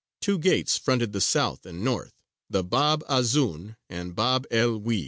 Two gates fronted the south and north, the Bab Azūn and Bab el Wēd.